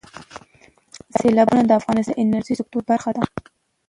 سیلابونه د افغانستان د انرژۍ سکتور برخه ده.